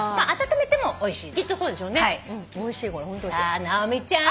さあ直美ちゃん。